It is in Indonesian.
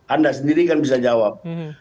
anda sendiri kan bisa jawab